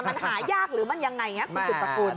มันหายากหรือมันยังไงคุณสิทธิประคุณ